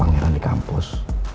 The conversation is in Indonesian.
aku pangeran di kampus